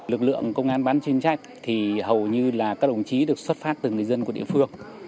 lực lượng công an bán chuyên trách thì hầu như là các đồng chí được xuất phát từ người dân của địa phương